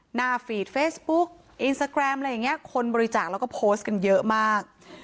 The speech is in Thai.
ฟีดเฟซบุ๊กอินสตาแกรมอะไรอย่างนี้คนบริจาคแล้วก็โพสต์กันเยอะมาก